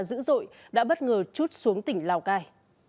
mưa đá dữ dội đã bất ngờ chút xuống tỉnh lào cai